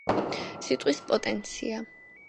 სიტყვის პოტენცია